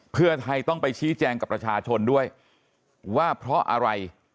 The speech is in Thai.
เพื่อไทยต้องไปชี้แจงกับประชาชนด้วยว่าเพราะอะไร